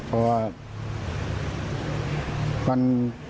เพราะว่า